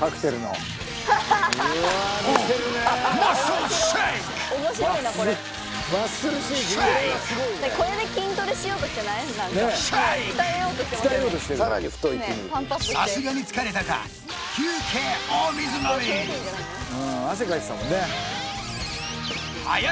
カクテルのさすがに疲れたか速い！